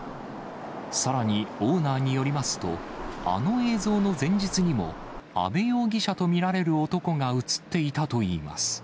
さらにオーナーによりますと、あの映像の前日にも、阿部容疑者と見られる男が写っていたといいます。